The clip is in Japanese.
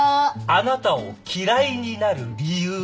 あなたを嫌いになる理由。